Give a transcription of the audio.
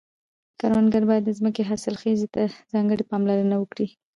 کروندګر باید د ځمکې حاصلخیزي ته ځانګړې پاملرنه وکړي.